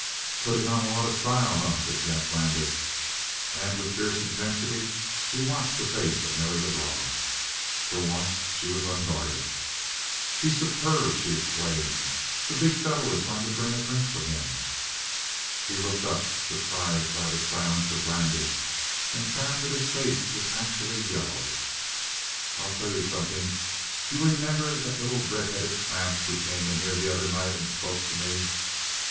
"Putting on a lot of style, eh?" said Jack Landis, and with fierce intensity he watched the face of Nelly Lebrun. For once she was unguarded. "He's superb!" she exclaimed. "The big fellow is going to bring a drink for him." She looked up, surprised by the silence of Landis, and found that his face was actually yellow. "I'll tell you something. Do you remember the little red headed tramp who came in here the other night and spoke to me?"